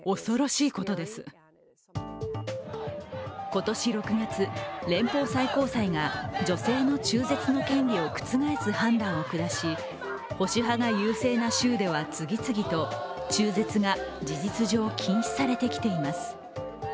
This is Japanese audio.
今年６月、連邦最高裁が女性の中絶の権利を覆す判断を下し、保守派が優勢な州では次々と中絶が事実上禁止されてきています。